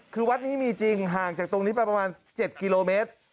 คือวัดนี้มีจริงห่างจากตรงนี้ไปประมาณ๗กิโลเมตร